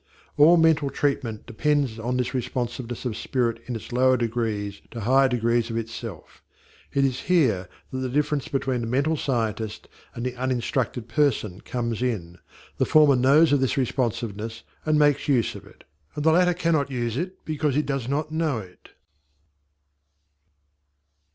All mental treatment depends on this responsiveness of spirit in its lower degrees to higher degrees of itself. It is here that the difference between the mental scientist and the uninstructed person comes in; the former knows of this responsiveness and makes use of it, and the latter cannot use it because he does not know it.